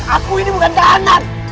aku ini bukan tahanan